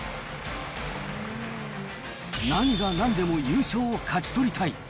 何がなんでも優勝を勝ち取りたい。